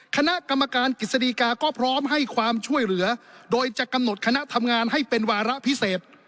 คณะกรรมการกฤษฎีกาก็พร้อมให้ความช่วยเหลือโดยจะกำหนดคณะทำงานให้เป็นวาระพิเศษ